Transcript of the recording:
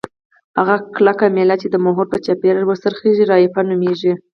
هغه کلکه میله چې د محور په چاپیره وڅرخیږي رافعه نومیږي.